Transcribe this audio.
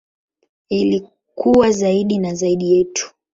Ili kuwa zaidi na zaidi yetu.